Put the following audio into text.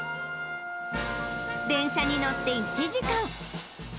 電車に乗って１時間。